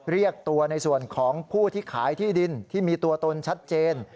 เรียกตัวในส่วนของผู้ที่ขายที่ดินที่มีตัวตนชัดเจน